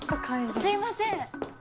・すいません